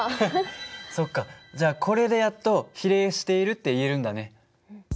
そっかじゃあこれでやっと比例しているって言えるんだね。